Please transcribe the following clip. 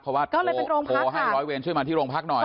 เพราะว่าก็เลยโทรให้ร้อยเวรช่วยมาที่โรงพักหน่อย